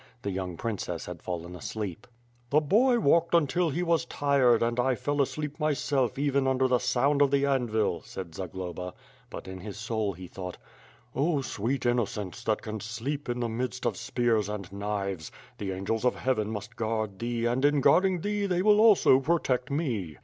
The young princess had fallen asleep. "The boy walked until he was tired and I fell asleep myself even under the sound of the anvil," said Zagloba. But in his soul he thought; "Oh! sweet innocence, that can sleep in the midst of spears and knives! The angels of heaven must guard thee and in guarding thee they will also protect me."